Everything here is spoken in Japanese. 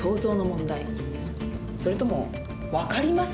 それとも分かります？